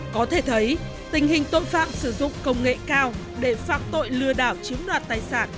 có thể thấy tình hình tội phạm sử dụng công nghệ cao để phạm tội lừa đảo chiếm đoạt tài sản